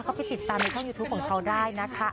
ก็ไปติดตามในช่องยูทูปของเขาได้นะคะ